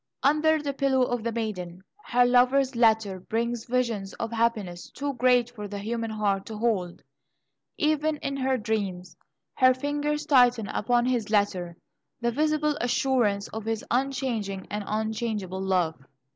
Under the pillow of the maiden, her lover's letter brings visions of happiness too great for the human heart to hold. Even in her dreams, her fingers tighten upon his letter the visible assurance of his unchanging and unchangeable love.